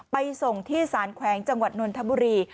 ไปส่งที่สารแขวงจังหวัดนนทบุรี